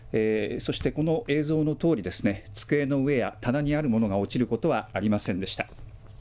そして、この映像のとおり、机の上や棚にあるものが落ちることはありませんでした。